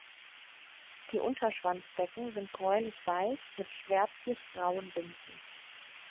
Die Unterschwanzdecken sind gräulich weiß mit schwärzlich grauen Binden.